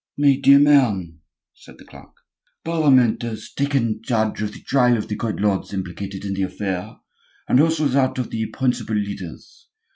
"My dear man," said the clerk, "Parliament has taken charge of the trial of the great lords implicated in the affair, and also that of the principal leaders.